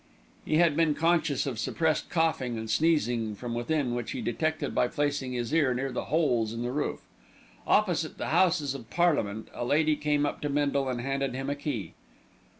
He had been conscious of suppressed coughing and sneezing from within, which he detected by placing his ear near the holes in the roof. Opposite the Houses of Parliament, a lady came up to Bindle and handed him a key.